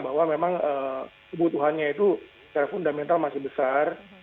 bahwa memang kebutuhannya itu secara fundamental masih besar